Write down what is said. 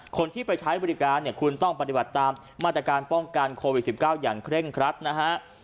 คนที่ไปใช้บริการเนี่ยคุณต้องปฏิบัติตามมาตรการป้องกันโควิด๑๙อย่างเคร่งครัดนะฮะ